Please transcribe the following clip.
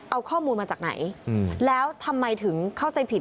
เอาข้อมูลมาจากไหนแล้วทำไมถึงเข้าใจผิด